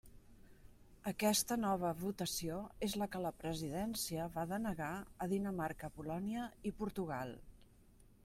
Aquesta nova votació és la que la presidència va denegar a Dinamarca, Polònia i Portugal.